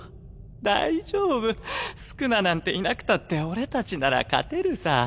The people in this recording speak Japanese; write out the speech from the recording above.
大丈夫宿儺なんていなくたって俺たちなら勝てるさ。